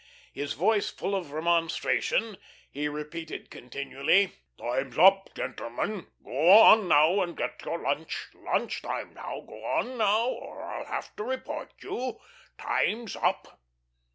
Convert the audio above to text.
His voice full of remonstration, he repeated continually: "Time's up, gentlemen. Go on now and get your lunch. Lunch time now. Go on now, or I'll have to report you. Time's up."